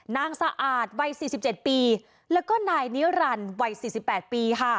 นางสะอาดวัย๔๗ปีแล้วก็นายนิรันดิ์วัย๔๘ปีค่ะ